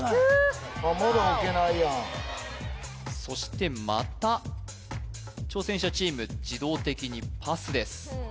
まだ置けないやんそしてまた挑戦者チーム自動的にパスです